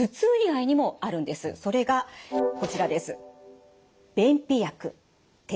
それがこちらです。